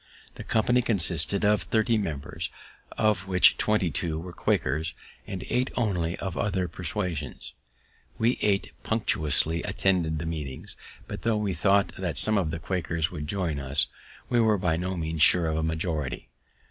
The company consisted of thirty members, of which twenty two were Quakers, and eight only of other persuasions. We eight punctually attended the meeting; but, tho' we thought that some of the Quakers would join us, we were by no means sure of a majority.